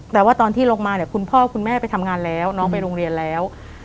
แต่ว่าตอนที่ลงมาเนี่ยคุณพ่อคุณแม่ไปทำงานแล้วน้องไปโรงเรียนแล้ว